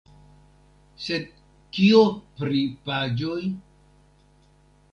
Sed kio pri paĝoj?